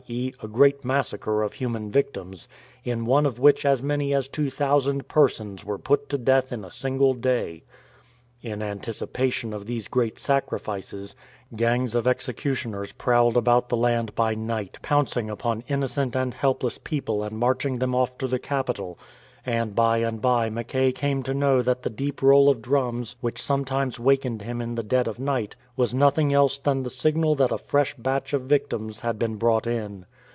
e. a great massacre of human victims, in one of which as many as 2,000 persons were put to death in a single day. In anticipation of these great sacrifices, gangs of executioners prowled about the land by night, pouncing upon innocent and helpless people and marching them off to the capital ; and by and by Mackay came to know that the deep roll of drums which sometimes wakened him in the dead of night was nothing else than the signal that a fresh batch of victims had been brought in.